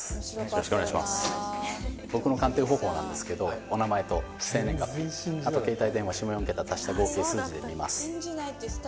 僕の鑑定方法なんですけどお名前と生年月日あと携帯電話下４桁足した合計数字で見ます。